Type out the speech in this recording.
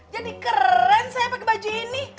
jadi keren saya pakai baju ini